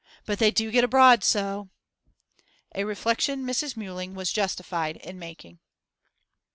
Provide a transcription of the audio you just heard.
But they do get abroad so!' A reflection Mrs. Mewling was justified in making.